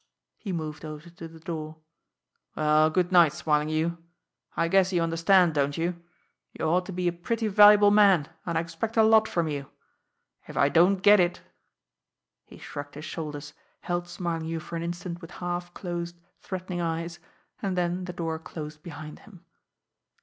He moved over to the door. "Well, good night, Smarlinghue! I guess you understand, don't you? You ought to be a pretty valuable man, and I expect a lot from you. If I don't get it " He shrugged his shoulders, held Smarlinghue for an instant with half closed, threatening eyes and then the door closed behind him.